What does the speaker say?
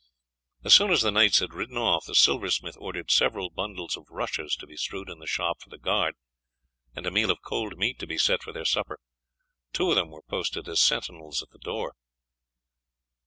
As soon as the knights had ridden off the silversmith ordered several bundles of rushes to be strewn in the shop for the guard, and a meal of cold meat to be set for their supper. Two of them were posted as sentinels at the door.